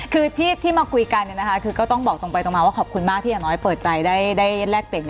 คือที่มาคุยกันคือก็ต้องบอกตรงไปตรงมาว่าขอบคุณมากที่อย่างน้อยเปิดใจได้แลกเปลี่ยน